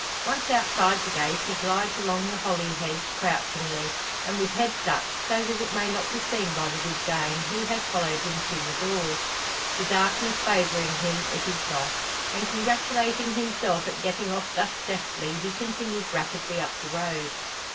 Once outside the gate he glides along the holly hedge crouchingly, and with head ducked, so that it may not be seen by the good dame, who has followed him to the door. The darkness favouring him, it is not; and congratulating himself at getting off thus deftly, he continues rapidly up the road.